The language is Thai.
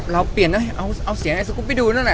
เราเปลี่ยนเอาเสียงไอ้สกุฟิดูนอ่ะ